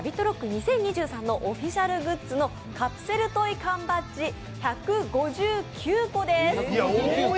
２０２３のオフィシャルグッズのカプセルトイ缶バッジ１５９個です。